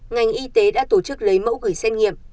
ngành y tế đã tổ chức lấy mẫu gửi xét nghiệm